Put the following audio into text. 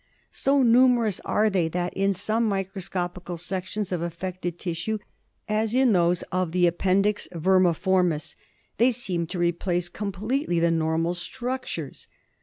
So numeroua are they that in some micro scopical sections of affected tissue, as in those of the appendix vermiformis, they seem to replace completely the normal structures.